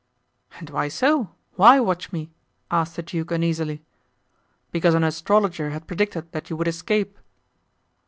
"And why so? why watch me?" asked the duke uneasily. "Because an astrologer had predicted that you would escape."